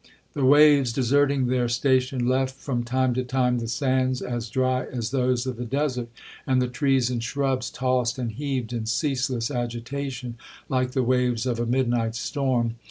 'The waves deserting their station, left, from time to time, the sands as dry as those of the desert; and the trees and shrubs tossed and heaved in ceaseless agitation, like the waves of a midnight storm.